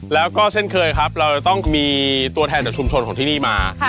แล้วก็เช่นเคยครับเราจะต้องมีตัวแทนจากชุมชนของที่นี่มา